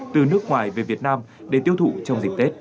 từ nước ngoài về việt nam để tiêu thụ trong dịp tết